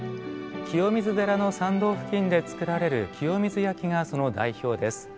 清水寺の参道付近で作られる清水焼がその代表です。